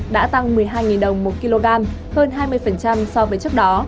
đã tăng một mươi hai đồng một kg hơn hai mươi so với trước đó